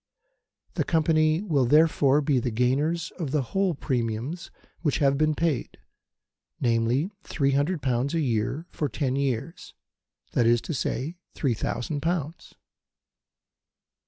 The Company will, therefore, be the gainers of the whole premiums which have been paid namely, 300 pounds a year for ten years: that is to say, 3,000 pounds.